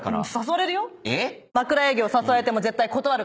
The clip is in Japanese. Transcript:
枕営業誘われても断るから。